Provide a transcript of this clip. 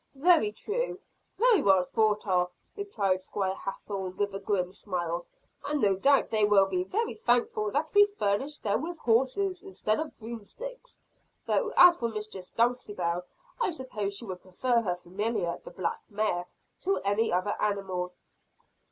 "Very true! very well thought of!" replied Squire Hathorne, with a grim smile. "And no doubt they will be very thankful that we furnish them with horses instead of broomsticks. Though as for Mistress Dulcibel, I suppose she would prefer her familiar, the black mare, to any other animal."